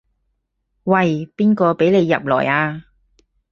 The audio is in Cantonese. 喂，邊個畀你入來啊？